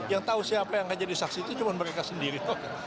yang tahu siapa yang akan jadi saksi itu cuma mereka sendiri